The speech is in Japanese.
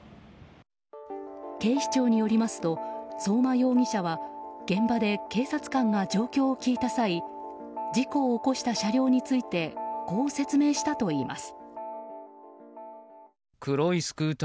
警視庁によりますと相馬容疑者は現場で警察官が状況を聞いた際事故を起こした車両についてこう説明したといいます。